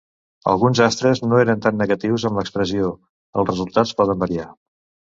Alguns altres no eren tan negatius amb l'expressió "els resultats poden variar".